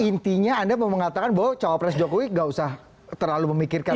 intinya anda mau mengatakan bahwa cawapres jokowi gak usah terlalu memikirkan